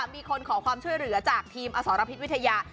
มีคนขอความช่วยเหลือจากทีมอสรพิษวิทยา